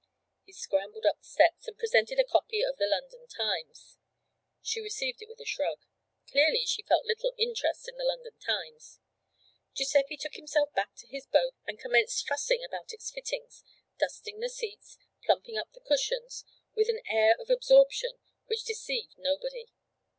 He scrambled up the steps and presented a copy of the London Times. She received it with a shrug. Clearly, she felt little interest in the London Times. Giuseppe took himself back to his boat and commenced fussing about its fittings, dusting the seats, plumping up the cushions, with an air of absorption which deceived nobody.